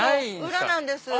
裏なんです。